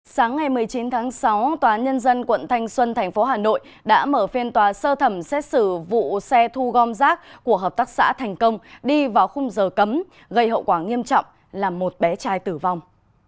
sáng ngày một mươi chín tháng sáu tòa nhân dân quận thanh xuân thành phố hà nội đã mở phiên tòa sơ thẩm xét xử vụ xe thu gom rác của hợp tác xã thành công đi vào khung giờ cấm gây hậu quả nghiêm trọng làm một bé trai tử vong